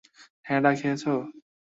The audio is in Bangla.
বাবু খেয়েছো?